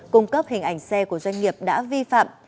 cung cấp hình ảnh xe của doanh nghiệp đã vi phạm